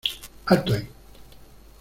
¡ alto ahí!...